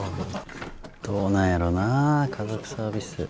どうなんやろなぁ家族サービス。